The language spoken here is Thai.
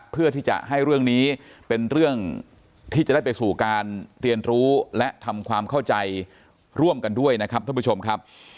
เพื่อที่จะให้เรื่องนี้เป็นเรื่องที่จะได้ไปสู่การเรียนรู้และทำความเข้าใจร่วมกันด้วยนะครับท่านผู้ชมครับ